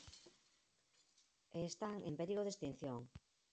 E están en perigo de extinción.